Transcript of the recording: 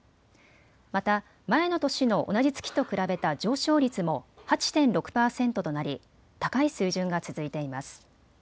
また、前の年の同じ月と比べた上昇率も８．６％となり高い水準が続いています。